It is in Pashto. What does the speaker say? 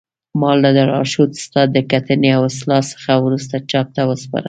ما د لارښود استاد د کتنې او اصلاح څخه وروسته چاپ ته وسپاره